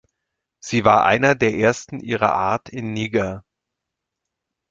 Sie war eine der ersten ihrer Art in Niger.